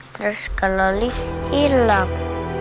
terus kak loli hilang